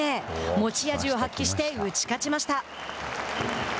持ち味を発揮して打ち勝ちました。